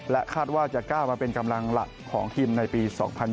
คาดว่าจะก้าวมาเป็นกำลังหลักของทีมในปี๒๐๒๐